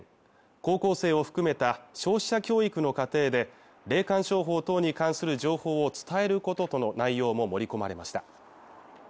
高校生を含めた消費者教育の過程で霊感商法等に関する情報を伝えることとの内容も盛り込まれました